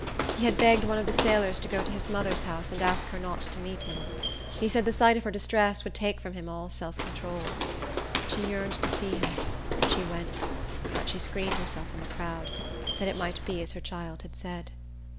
He had begged one of the sailors to go to his mother's house and ask her not to meet him. He said the sight of her distress would take from him all self control. She yearned to see him, and she went; but she screened herself in the crowd, that it might be as her child had said.